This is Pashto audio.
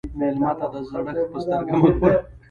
مېلمه ته د زړښت په سترګه مه ګوره.